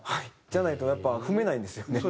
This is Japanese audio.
じゃないとやっぱ踏めないんですよね。